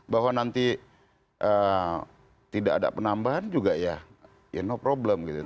bahwa nanti tidak ada penambahan juga ya no problem gitu